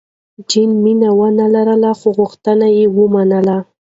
جین مینه ونه لرله، خو غوښتنه یې ومنله.